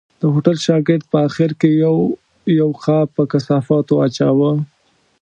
د هوټل شاګرد په آخر کې یو یو قاب په کثافاتو اچاوه.